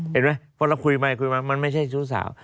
เพราะเราคุยไหมมันไม่ใช่ชู้สาว